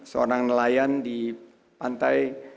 seorang nelayan di pantai